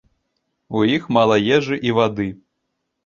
У іх мала ежы і вады.